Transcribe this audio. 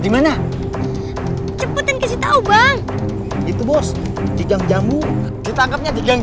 dimana cepetin kasih tahu bang itu bos dijanggu ditangkapnya dijanggu